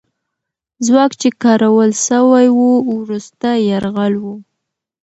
ځواک چې کارول سوی وو، وروستی یرغل وو.